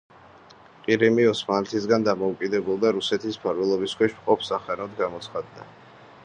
ყირიმი ოსმალეთისაგან დამოუკიდებელ და რუსეთის მფარველობის ქვეშ მყოფ სახანოდ გამოცხადდა.